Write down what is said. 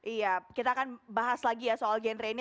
iya kita akan bahas lagi ya soal genre ini